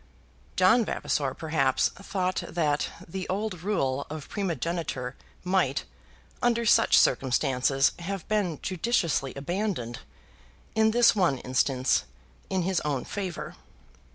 John Vavasor perhaps thought that the old rule of primogeniture might under such circumstances have been judiciously abandoned in this one instance, in his own favour.